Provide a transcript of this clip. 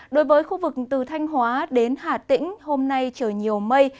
đối với khu vực từ thanh hóa đến hà tĩnh hôm nay trời nhiều mây